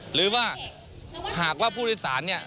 หรือว่าหากว่าผู้โดยสารเนี่ย